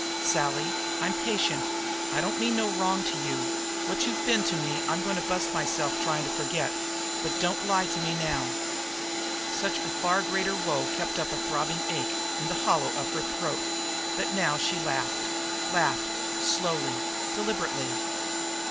"Sally, I'm patient; I don't mean no wrong to you. What you've been to me I'm goin' to bust myself tryin' to forget; but don't lie to me now." Such a far greater woe kept up a throbbing ache in the hollow of her throat that now she laughed, laughed slowly, deliberately.